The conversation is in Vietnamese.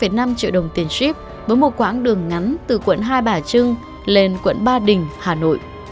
tê sẽ có hai năm triệu đồng tiền ship với một quãng đường ngắn từ quận hai bà trưng lên quận ba đình hà nội